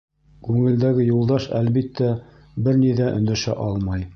Күңелдәге Юлдаш, әлбиттә, бер ни ҙә өндәшә алмай.